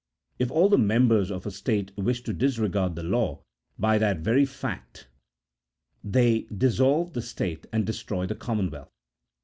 If all the members of a state wish to disregard the law, by that very fact they dis solve the state and destroy the commonwealth.